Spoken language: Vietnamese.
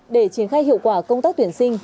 để triển khai hiệu quả công tác tuyển sinh